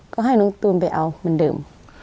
ก็ให้น้องตูนไปเอาเหมือนเดิม